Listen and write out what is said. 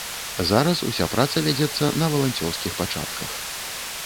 Зараз уся праца вядзецца на валанцёрскіх пачатках.